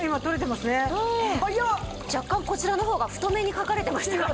若干こちらの方が太めに書かれてましたが。